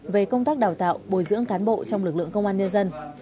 về công tác đào tạo bồi dưỡng cán bộ trong lực lượng công an nhân dân